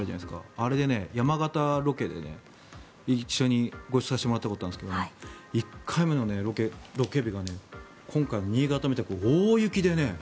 あれで、山形ロケでご一緒させてもらったことがあるんですけど１回目のロケ日が今回の新潟みたく大雪でね。